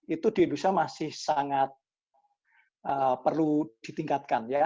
itu di indonesia masih sangat perlu ditingkatkan ya